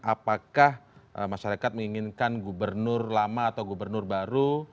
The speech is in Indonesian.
apakah masyarakat menginginkan gubernur lama atau gubernur baru